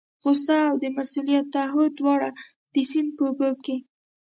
غوسه او د مسؤلیت تعهد دواړه د سیند په اوبو کې.